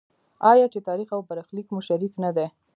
آیا چې تاریخ او برخلیک مو شریک نه دی؟